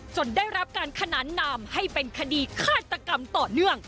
ได้รับการขนานนามให้เป็นคดีฆาตกรรมต่อเนื่อง